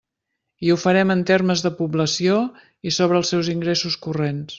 I ho farem en termes de població i sobre els seus ingressos corrents.